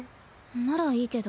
ならいいけど。